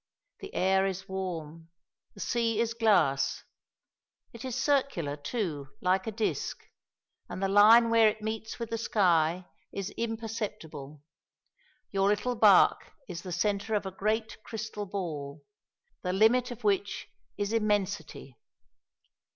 The air is warm, the sea is glass; it is circular, too, like a disc, and the line where it meets with the sky is imperceptible. Your little bark is the centre of a great crystal ball, the limit of which is Immensity!